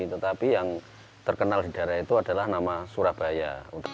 tetapi yang terkenal di daerah itu adalah nama surabaya